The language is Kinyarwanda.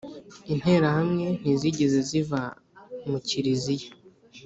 Interahamwe ntizigeze ziva mu Kiliziya